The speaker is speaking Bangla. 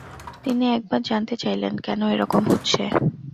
তিনি একবার জানতে চাইলেন কেন এ-রকম হচ্ছে।